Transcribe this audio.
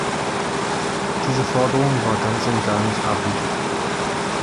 Diese Forderung war ganz und gar nicht abwegig.